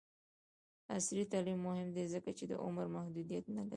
عصري تعلیم مهم دی ځکه چې د عمر محدودیت نه لري.